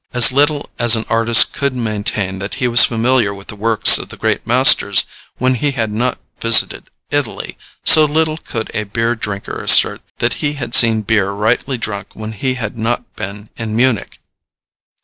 As little as an artist could maintain that he was familiar with the works of the great masters when he had not visited Italy, so little could a beer drinker assert that he had seen beer rightly drunk when he had not been in Munich.